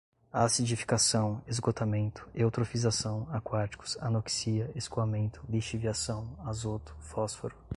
acidificação, esgotamento, eutrofização, aquáticos, anoxia, escoamento, lixiviação, azoto, fósforo